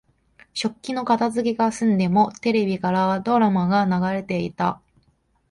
食器の片づけが済んでも、テレビからはドラマが流れていた。